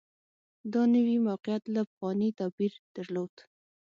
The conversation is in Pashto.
دا نوي موقعیت له پخواني توپیر درلود